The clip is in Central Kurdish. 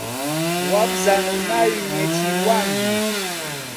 وابزانم ناوی نێچیروان بوو.